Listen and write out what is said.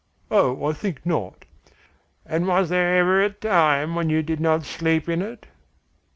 "Oh, I think not." "And was there ever a time when you did not sleep in it?"